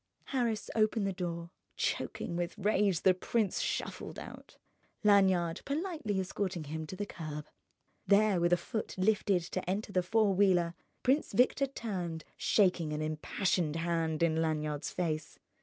Harris opened the door. Choking with rage, the prince shuffled out, Lanyard politely escorting him to the curb. There, with a foot lifted to enter the four wheeler, Prince Victor turned, shaking an impassioned hand in Lanyard's face.